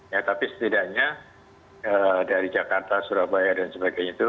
ya tapi setidaknya dari jakarta surabaya dan sebagainya itu